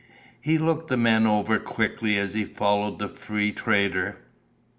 He looked the men over quickly as he followed the free trader.